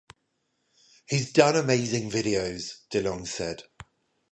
"He's done amazing videos," DeLonge said.